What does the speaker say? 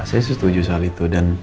saya setuju soal itu